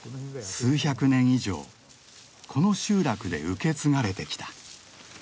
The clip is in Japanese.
数百年以上この集落で受け継がれてきた。